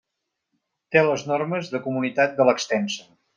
Té les normes de comunitat de l'extensa.